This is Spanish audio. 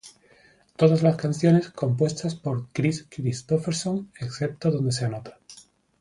Todas las canciones compuestas por Kris Kristofferson excepto donde se anota.